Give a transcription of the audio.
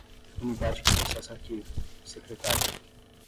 Unidade que processa arquivo: secretária.